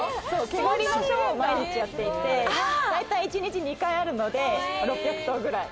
毛刈りのショーを毎日やっていて、大体一日２回あるので６００頭くらい。